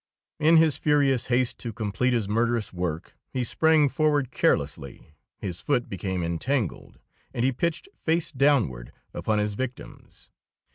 In his furious haste to complete his murderous work, he sprang forward carelessly, his foot became entangled, and he pitched face downward upon his victims.